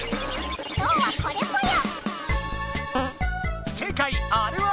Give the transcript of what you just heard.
今回はこれぽよ！